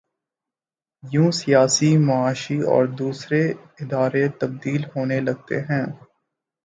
یوں سیاسی، معاشی اور دوسرے ادارے تبدیل ہونے لگتے ہیں۔